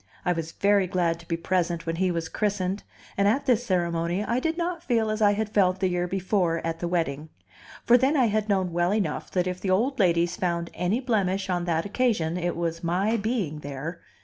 I was very glad to be present when he was christened, and at this ceremony I did not feel as I had felt the year before at the wedding; for then I had known well enough that if the old ladies found any blemish on that occasion, it was my being there!